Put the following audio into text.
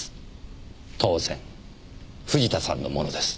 当然藤田さんのものです。